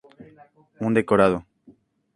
Un decorado.